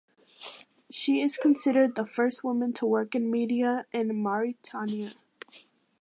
She is considered the first woman to work in media in Mauritania.